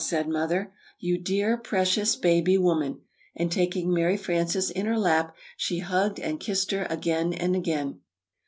said Mother. "You dear, precious baby woman!" And taking Mary Frances in her lap, she hugged and kissed her again and again.